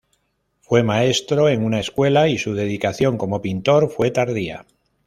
Fue maestro en una escuela y su dedicación como pintor fue tardía.